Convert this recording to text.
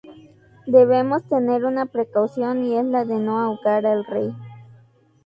Debemos tener una precaución y es la de no ahogar al rey.